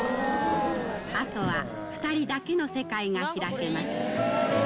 あとは２人だけの世界が開けます。